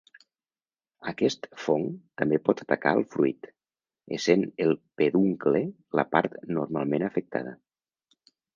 Aquest fong també pot atacar al fruit, essent el peduncle la part normalment afectada.